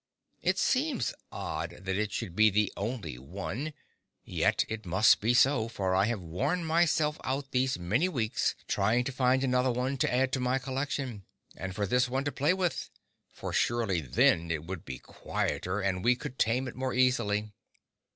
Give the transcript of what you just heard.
It seems odd that it should be the only one, yet it must be so, for I have worn myself out these many weeks trying to find another one to add to my collection, and for this one to play with; for surely then it would be quieter, and we could tame it more easily.